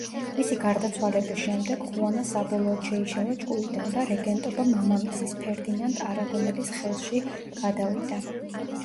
მისი გარდაცვალების შემდეგ ხუანა საბოლოოდ შეიშალა ჭკუიდან და რეგენტობა მამამისის, ფერდინანდ არაგონელის ხელში გადავიდა.